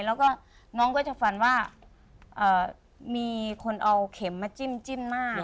แล้วก็น้องก็จะฝันว่ามีคนเอาเข็มมาจิ้มหน้า